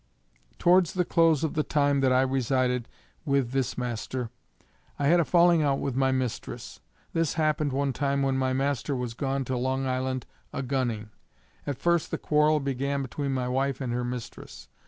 Towards the close of the time that I resided with this master, I had a falling out with my mistress. This happened one time when my master was gone to Long Island a gunning. At first the quarrel began between my wife and her mistress.